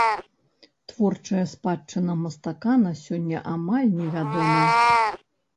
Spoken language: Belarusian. Творчая спадчына мастака на сёння амаль невядома.